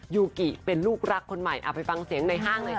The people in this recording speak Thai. ยูกิเป็นลูกรักคนใหม่เอาไปฟังเสียงในห้างหน่อยค่ะ